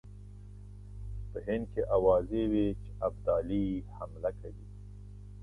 په هند کې آوازې وې چې ابدالي حمله کوي.